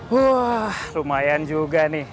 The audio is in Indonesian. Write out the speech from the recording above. wah lumayan juga nih